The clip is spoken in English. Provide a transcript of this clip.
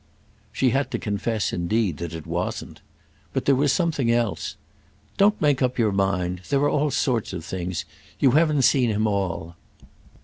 She had to confess indeed that it wasn't. But there was something else. "Don't make up your mind. There are all sorts of things. You haven't seen him all."